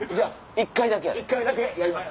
１回だけやります。